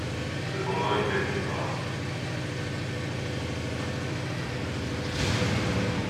Cependant ils m'aiment, ces braves!